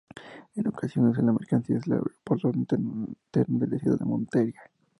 En ocasiones de emergencia es el aeropuerto alterno de la ciudad de Montería.